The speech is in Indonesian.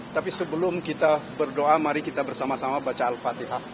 tapi sebelum kita berdoa mari kita bersama sama baca al fatihah